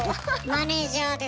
マネージャーですよ